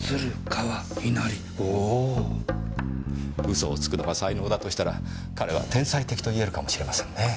嘘をつくのが才能だとしたら彼は天才的と言えるかもしれませんねぇ。